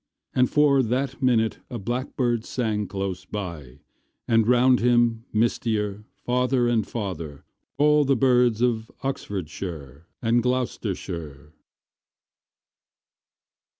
And for that minute a blackbird sang Close by, and round him, mistier, Farther and farther, all the birds Of Oxfordshire and Gloustershire.